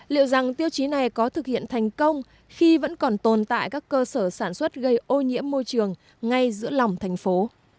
liệu rằng tiêu chí này có thực hiện thành công khi vẫn còn tồn tại các cơ sở sản xuất gây ô nhiễm môi trường ngay giữa lòng thành phố